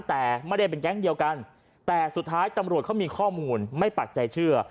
แต่ไม่ได้เป็นแก๊งเดียวกันแต่สุดท้ายตำรวจเขามีข้อมูลไม่ปักใจเชื่อ